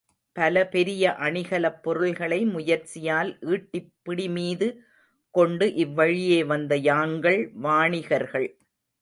பல பெரிய அணிகலப் பொருள்களை முயற்சியால் ஈட்டிப் பிடிமீது கொண்டு, இவ் வழியே வந்த யாங்கள் வாணிகர்கள்.